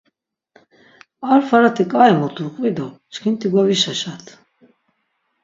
Ar farati k̆ai mutu qvi do çkinti govişaşat.